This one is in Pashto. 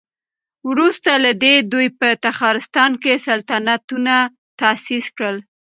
وروسته له دې دوی په تخارستان کې سلطنتونه تاسيس کړل